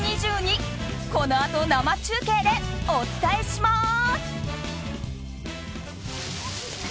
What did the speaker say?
このあと生中継でお伝えします。